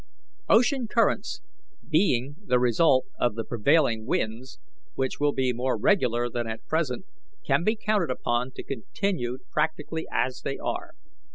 "Ocean currents, being the result of the prevailing winds, which will be more regular than at present, can be counted upon to continue practically as they are.